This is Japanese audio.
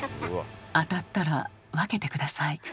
当たったら分けて下さい。